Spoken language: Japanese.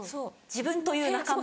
自分という仲間。